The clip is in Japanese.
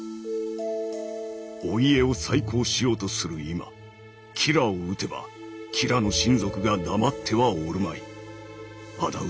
「お家を再興しようとする今吉良を討てば吉良の親族が黙ってはおるまい。